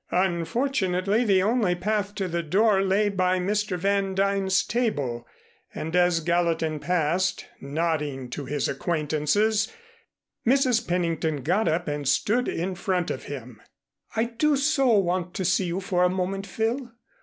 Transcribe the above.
Unfortunately the only path to the door lay by Mr. Van Duyn's table, and as Gallatin passed, nodding to his acquaintances, Mrs. Pennington got up and stood in front of him. "I do so want to see you for a moment, Phil.